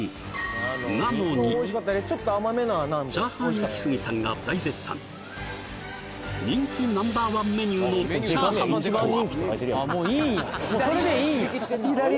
チャーハンイキスギさんが大絶賛人気ナンバーワンメニューのチャーハンとは？